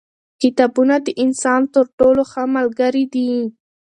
کتابونه د انسان تر ټولو ښه ملګري دي.